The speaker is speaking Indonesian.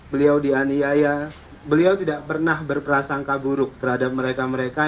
beliau di aniaya beliau tidak pernah berperasangka buruk terhadap mereka mereka